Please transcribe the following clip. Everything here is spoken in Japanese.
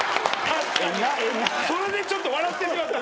それでちょっと笑ってしまった。